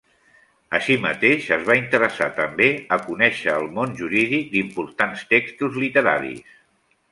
Així mateix, es va interessar també a conèixer el món jurídic d'importants textos literaris.